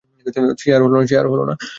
সে আর হল না।